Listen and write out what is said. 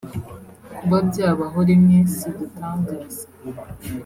Kuba byabaho rimwe si igitangaza